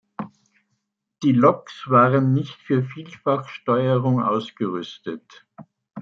Die Loks waren nicht für Vielfachsteuerung ausgerüstet.